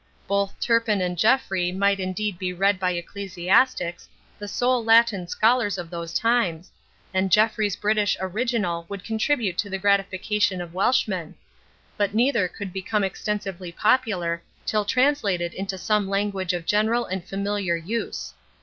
Both Turpin and Geoffrey might indeed be read by ecclesiastics, the sole Latin scholars of those times, and Geoffrey's British original would contribute to the gratification of Welshmen; but neither could become extensively popular till translated into some language of general and familiar use.